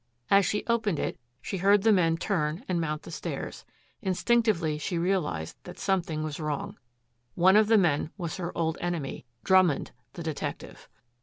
As she opened it she heard the men turn and mount the stairs. Instinctively she realized that something was wrong. One of the men was her old enemy, Drummond, the detective.